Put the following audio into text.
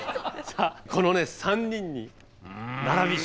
さあこの３人に並び。